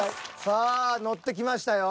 さあ乗ってきましたよ。